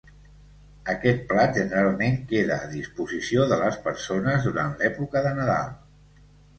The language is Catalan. Aquest plat generalment queda a disposició de les persones durant l'època de Nadal.